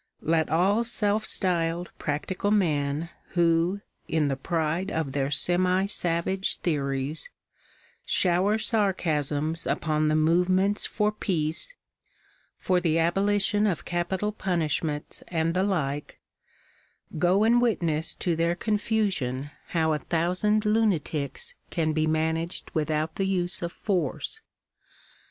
Let all self styled ( practical men, who, in the pride of their semi savage theories, shower sarcasms upon the movements for peace, for the abolition of capital punishments and the like, go and witness to their confusion how a thousand lunatics can be managed without the use of foi; ce.